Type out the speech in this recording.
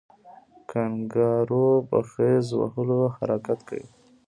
کانګارو په خیز وهلو حرکت کوي